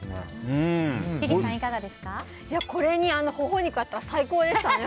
これにホホ肉あったら最高でしたね。